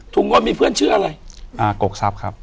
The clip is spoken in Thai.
อยู่ที่แม่ศรีวิรัยิลครับ